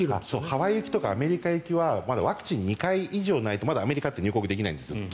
ハワイ行きとかアメリカ行きはまだワクチン２回以上ないと原則入国できないんです。